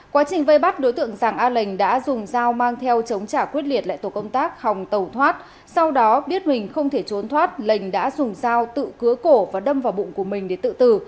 quá trình vây bắt đối tượng giàng a lệnh đã dùng dao mang theo chống trả quyết liệt lại tổ công tác hồng tẩu thoát sau đó biết mình không thể trốn thoát lệnh đã dùng dao tự cứa cổ và đâm vào bụng của mình để tự tử